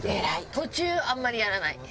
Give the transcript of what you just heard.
途中あんまりやらない。